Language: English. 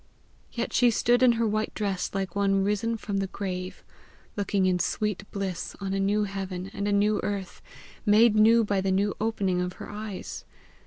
Yet she stood in her white dress like one risen from the grave, looking in sweet bliss on a new heaven and a new earth, made new by the new opening of her eyes.